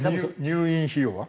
入院費用は？